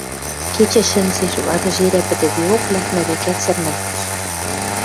Кечӹ шӹнзеш, вады жерӓ пӹтӹдеок, лӓкмӹ векӓт сӓрнӓлтеш.